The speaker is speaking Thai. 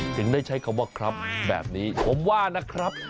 ถึงได้ใช้คำว่าครับแบบนี้ผมว่านะครับ